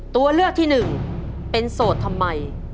ตัวเลือกที่๑เป็นโสดทำไม